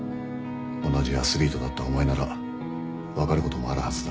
同じアスリートだったお前なら分かることもあるはずだ。